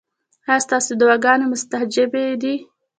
ایا ستاسو دعاګانې مستجابې دي؟